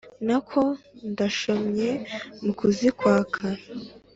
Nako ndashyomye mukuzikwaka